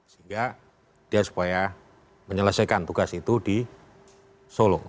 sehingga dia supaya menyelesaikan tugas itu di solo